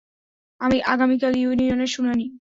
আগামীকাল ইউনিয়নের শুনানি।